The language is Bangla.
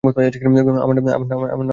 আমার নাম বাগস।